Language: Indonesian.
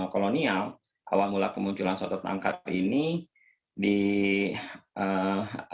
kolonial awal mula kemunculan soto tangkar ini di merupakan soto tangkar yang terkenal di kawasan batavia jakarta